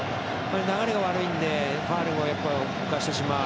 流れが悪いのでファウルを犯してしまう。